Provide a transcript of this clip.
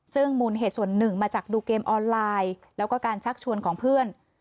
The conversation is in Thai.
ซึ่งมูลเหตุส่วนหนึ่งมาจากดูเกมออนไลน์แล้วก็การชักชวนของเพื่อน